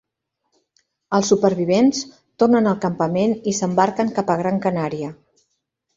Els supervivents tornen al campament i s'embarquen cap a Gran Canària.